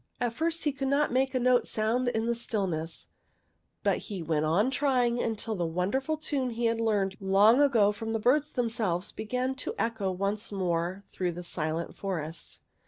At first he could not make a note sound in the stillness, but he went on trying until the wonderful tune he had learned long ago from the birds themselves began to echo once more through the silent forest.